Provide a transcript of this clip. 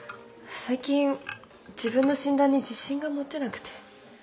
最近自分の診断に自信が持てなくて。